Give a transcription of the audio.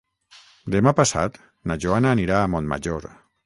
Demà passat na Joana anirà a Montmajor.